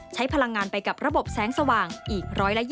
ใช้พลังงานไปกับระบบแสงสว่างอีก๑๒๐